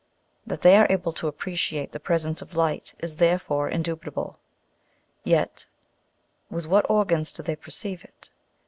That they are able to appreciate the presence of light is therefore indubitable ; yet with what organs do they perceive it